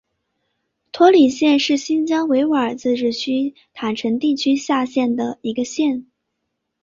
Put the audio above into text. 托里县是新疆维吾尔自治区塔城地区下辖的一个县。